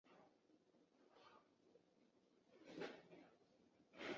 这种选择性是藉由金属网格整合在拖网结构上实现的。